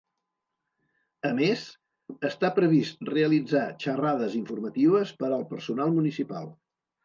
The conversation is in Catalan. A més, està previst realitzar xarrades informatives per al personal municipal.